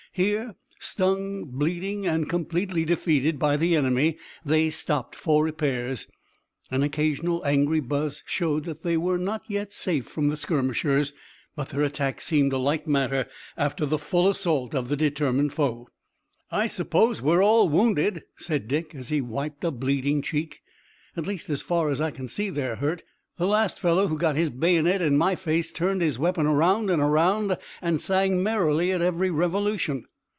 Here, stung, bleeding and completely defeated by the enemy they stopped for repairs. An occasional angry buzz showed that they were not yet safe from the skirmishers, but their attack seemed a light matter after the full assault of the determined foe. "I suppose we're all wounded," said Dick as he wiped a bleeding cheek. "At least as far as I can see they're hurt. The last fellow who got his bayonet in my face turned his weapon around and around and sang merrily at every revolution."